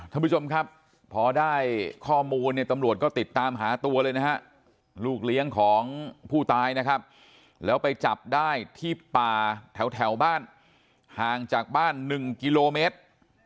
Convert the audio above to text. ท่านผู้ชมครับพอได้ข้อมูลเนี่ยตำรวจก็ติดตามหาตัวเลยนะฮะลูกเลี้ยงของผู้ตายนะครับแล้วไปจับได้ที่ป่าแถวบ้านห่างจากบ้าน๑กิโลเมตร